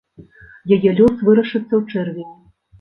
Яе лёс вырашыцца ў чэрвені.